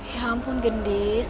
ya ampun gendis